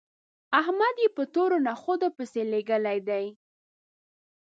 احمد يې په تورو نخودو پسې لېږلی دی